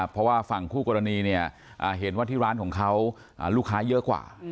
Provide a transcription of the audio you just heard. เพราะว่าฝั่งคู่กรณีเนี่ยเห็นว่าที่ร้านของเขาลูกค้าเยอะกว่า